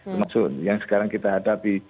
termasuk yang sekarang kita hadapi